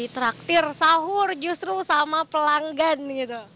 traktir sahur justru sama pelanggan gitu